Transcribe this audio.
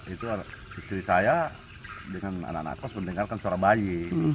itu istri saya dengan anak anak kos mendengarkan suara bayi